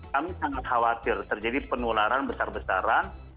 kami sangat khawatir terjadi penularan besar besaran